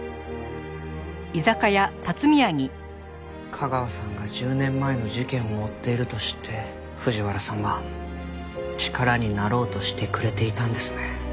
架川さんが１０年前の事件を追っていると知って藤原さんは力になろうとしてくれていたんですね。